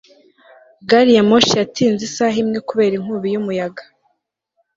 gari ya moshi yatinze isaha imwe kubera inkubi y'umuyaga